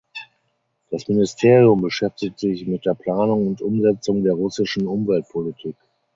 Das Ministerium beschäftigt sich mit der Planung und Umsetzung der russischen Umweltpolitik.